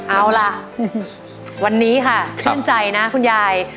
เอาล่ะวันนี้ค่ะชื่นใจนะคุณยาย